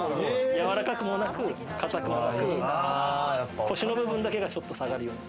柔らかくもなく、硬くもなく、腰の部分だけがちょっと下がるように。